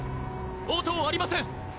応答ありません。